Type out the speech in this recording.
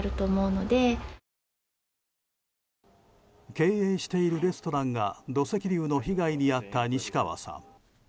経営しているレストランが土石流の被害に遭った西川さん。